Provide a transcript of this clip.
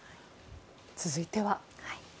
続いては。